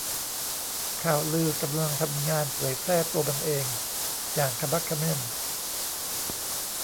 ข่าวลือกำลังทำงานเผยแพร่ตัวมันเองอย่างขมักเขม้น